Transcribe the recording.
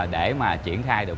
để mà triển khai được